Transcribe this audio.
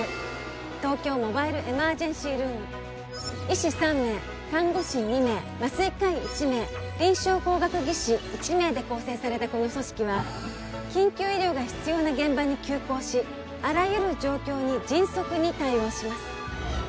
東京モバイルエマージェンシールーム医師３名看護師２名麻酔科医１名臨床工学技士１名で構成されたこの組織は緊急医療が必要な現場に急行しあらゆる状況に迅速に対応します